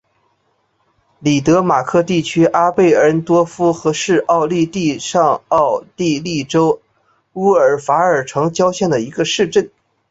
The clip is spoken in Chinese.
里德马克地区阿贝恩多夫是奥地利上奥地利州乌尔法尔城郊县的一个市镇。